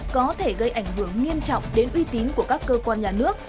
có thể gây ảnh hưởng nghiêm trọng đến uy tín của các cơ quan nhà nước